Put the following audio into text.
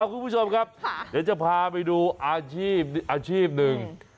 สวัสดีครับคุณผู้ชมครับเดี๋ยวจะไปดูอาชีพนึง